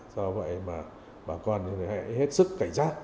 do vậy mà bà con hãy hết sức cảnh giác